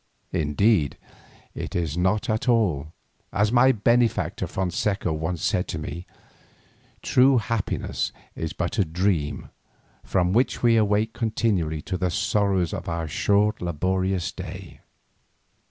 Indeed, it is not at all, as my benefactor Fonseca once said to me; true happiness is but a dream from which we awake continually to the sorrows of our short laborious day.